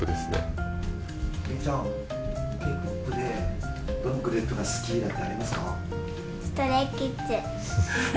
芽生ちゃんＫ−ＰＯＰでどのグループが好きなんてありますか？